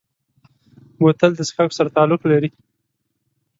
بوتل د څښاکو سره تعلق لري.